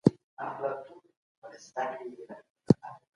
د کتاب تر څنګ بايد بل څه مطالعه سي؟